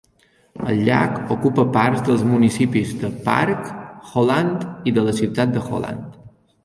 El llac ocupa parts dels municipis de Park, Holland i de la ciutat de Holland.